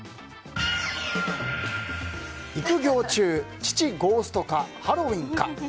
「育業中父ゴースト化ハロウィンか？」。